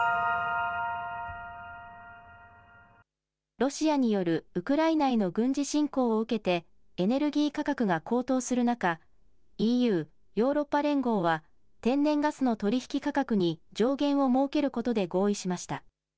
ロシアによるウクライナへの軍事侵攻を受けて、エネルギー価格が高騰する中、ＥＵ・ヨーロッパ連合は天然ガスの取り引き価格に上限を設けることで合意しました。